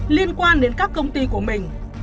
liên quan đến các công ty của mình